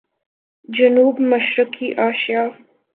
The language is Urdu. جنوب مشرقی ایشیا